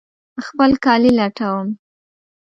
خپل کالي لټوم